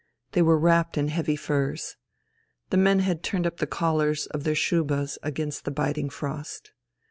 They were wrapped in heavy furs. The men had turned up the collars of their shubas against the biting frost.